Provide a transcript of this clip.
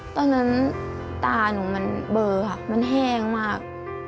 ตอนนั้นตาหนูมันเบอร์ค่ะมันแห้งมาก